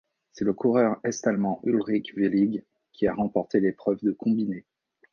C'est le coureur est-allemand Ulrich Wehling qui a remporté l'épreuve de combiné.